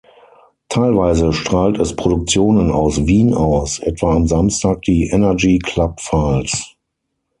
Teilweise strahlt es Produktionen aus Wien aus, etwa am Samstag die „Energy Club Files“.